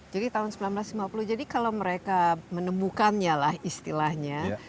jadi tahun seribu sembilan ratus lima puluh jadi kalau mereka menemukannya lah istilahnya